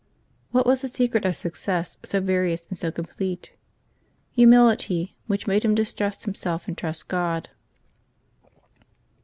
What was the secret of success so various and so com plete? Humility, which made him distrust himself and trust God.